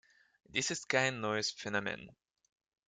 Dies ist kein neues Phänomen.